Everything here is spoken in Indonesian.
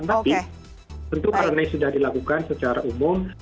tapi tentu parane sudah dilakukan secara umum